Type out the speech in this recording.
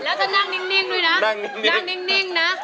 แล้วจะนั่งนิ่งด้วยนะ